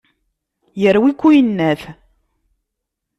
Yerwi-k uyennat.